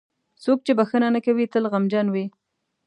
• څوک چې بښنه نه کوي، تل غمجن وي.